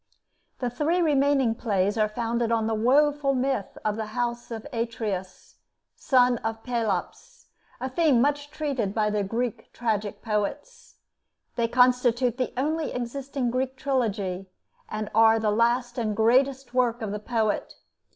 The three remaining plays are founded on the woful myth of the house of Atreus, son of Pelops, a theme much treated by the Greek tragic poets. They constitute the only existing Greek trilogy, and are the last and greatest work of the poet.